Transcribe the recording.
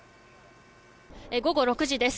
午後６時です。